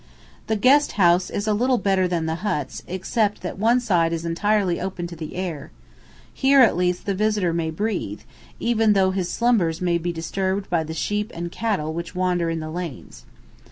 The guest house is little better than the huts, except that one side is entirely open to the air; here at least the visitor may breathe, even though his slumbers may be disturbed by the sheep and cattle which wander in the lanes.